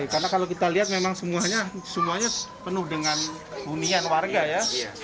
karena kalau kita lihat memang semuanya penuh dengan unian warga ya